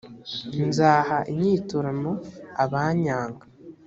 nzaha inyiturano abanyanga.